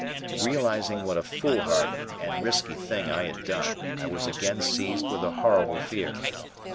Realizing what a foolhardy and risky thing I had done, I was again seized with a horrible fear.